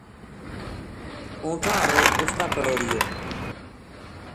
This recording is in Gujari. اونٹھاں ہاڑو اُس تا کھڑو رہیو